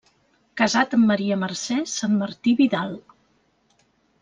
Casat amb Maria Mercè Santmartí Vidal.